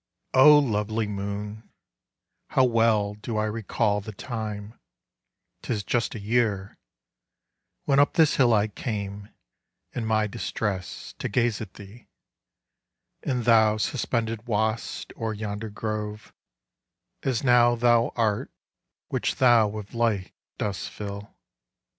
O lovely moon, how well do I recall The time,—'tis just a year—when up this hill I came, in my distress, to gaze at thee: And thou suspended wast o'er yonder grove, As now thou art, which thou with light dost fill.